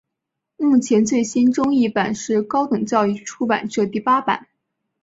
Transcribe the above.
目前最新中译版是高等教育出版社第八版。